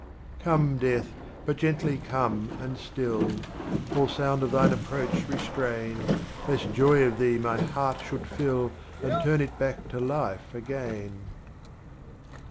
"r^ome Death, but gently come and still; — All sound of tliine approach restrain, Lest joy of thee my heart should fill And turn it back to life again."